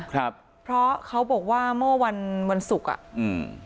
ครับเพราะเขาบอกว่าเมื่อวันวันศุกร์อ่ะอืม